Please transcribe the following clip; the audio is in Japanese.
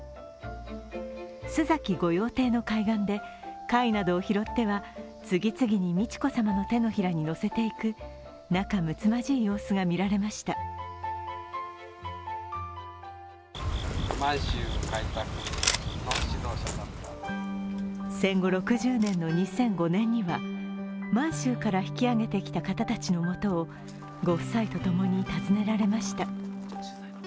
須崎御用邸の海岸で貝などを拾っては次々に美智子さまの手のひらに載せていく、仲むつまじい様子が見られました戦後６０年の２００５年には満州から引き揚げてきた方たちのもとをご夫妻と共に訪ねられました。